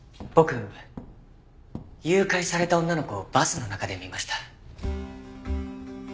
僕誘拐された女の子をバスの中で見ました。